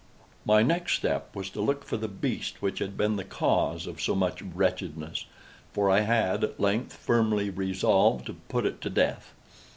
My next step was to look for the beast which had been the cause of so much wretchedness; for I had, at length, firmly resolved to put it to death.